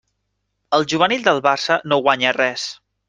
El juvenil del Barça no guanya res.